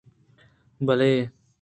بلئے